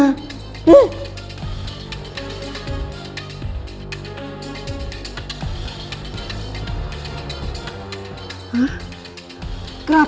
kamu tuh bagaimana